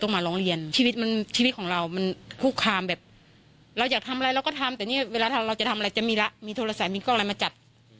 หยุดคุกคามแบบเราอยากทำอะไรเราก็ทำแต่เวลาเราจะทำอะไรจะมีละมีโทรสายมีกล้องไลน์มาจัด